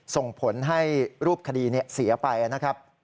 ส่งผลให้รูปคดีเสียไปนะครับ